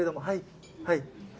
はいはい。